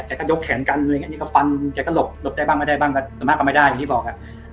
แกก็ยกแขนกันไอ้นี่ก็ฟันแกก็หลบหลบได้บ้างไม่ได้บ้างแต่ส่วนมากก็ไม่ได้อย่างที่บอก